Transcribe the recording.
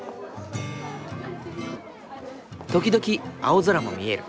時々青空も見える。